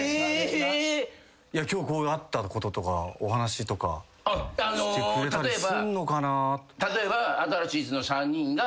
今日あったこととかお話とかしてくれたりすんのかな？